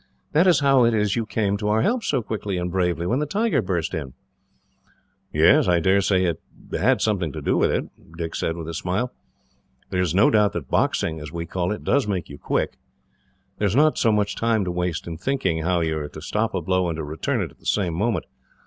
That is how it is you came to our help so quickly and bravely, when the tiger burst in." "I daresay it had something to do with it," Dick said, with a smile. "There is no doubt that boxing, as we call it, does make you quick. There is not much time to waste in thinking how you are to stop a blow, and to return it at the same moment.